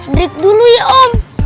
break dulu ya om